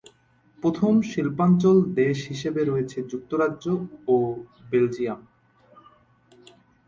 প্রথম শিল্পাঞ্চল দেশ হিসেবে রয়েছে যুক্তরাজ্য ও বেলজিয়াম।